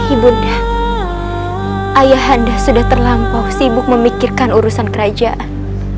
ibu nda ayahanda sudah terlampau sibuk memikirkan urusan kerajaan